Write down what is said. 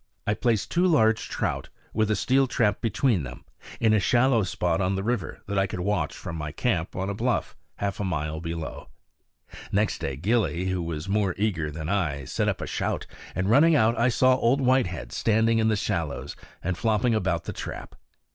I placed two large trout, with a steel trap between them, in a shallow spot on the river that I could watch from my camp on a bluff, half a mile below. Next day Gillie, who was more eager than I, set up a shout; and running out I saw Old Whitehead standing in the shallows and flopping about the trap.